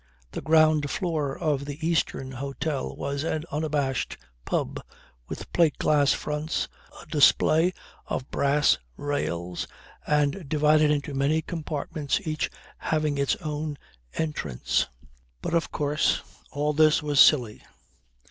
The ground floor of the Eastern Hotel was an unabashed pub, with plate glass fronts, a display of brass rails, and divided into many compartments each having its own entrance. But of course all this was silly.